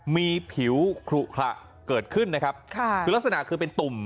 มีผิวขลุขระเกิดขึ้นนะครับค่ะคือลักษณะคือเป็นตุ่ม